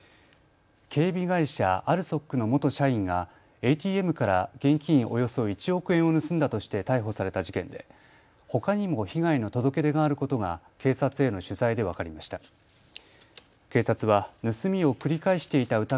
警備会社、ＡＬＳＯＫの元社員がＡＴＭから現金およそ１億円を盗んだとして逮捕された事件でほかにも被害の届け出があることが警察への取材で分かりました。